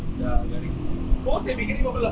oh saya pikir ini mau belas karena itu nambah lah